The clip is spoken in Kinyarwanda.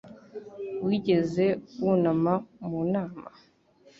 Wigeze wunama mu nama?